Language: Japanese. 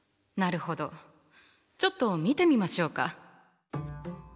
なるほどちょっと見てみましょうか。